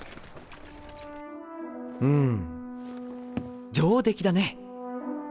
うん上出来だね